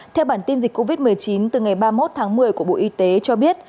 theo bản tin dịch covid một mươi chín từ ngày ba mươi một tháng một mươi của bộ y tế cho biết